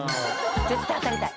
絶対当たりたい。